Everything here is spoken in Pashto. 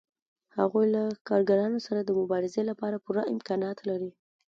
هغوی له کارګرانو سره د مبارزې لپاره پوره امکانات لري